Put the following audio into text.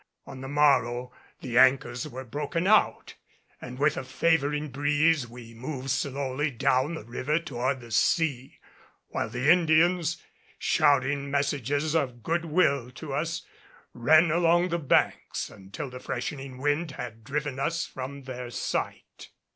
On the morrow the anchors were broken out, and with a favoring breeze we moved slowly down the river toward the sea; while the Indians, shouting messages of good will to us, ran along the banks until the freshening wind had driven us from their sight.